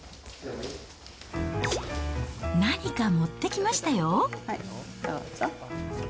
何か持ってきましたよ。